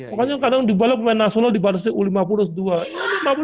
makanya kadang di balok pemain nasional di barisnya u lima puluh u dua